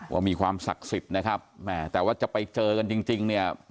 ว่ามีความศักดิ์สิทธิ์นะครับแหมแต่ว่าจะไปเจอกันจริงเนี่ย